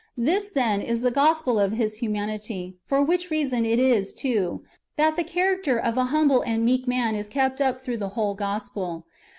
This, then, is the Gospel of His humanity ;^ for which reason it is, too, that [the character of] a humble and meek man is kept up through the wdiole Gospel.